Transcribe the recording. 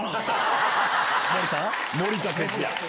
「森田哲矢」。